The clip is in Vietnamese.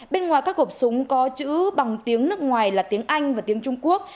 bên ngoài các hộp súng có chữ bằng tiếng nước ngoài là tiếng anh và tiếng trung quốc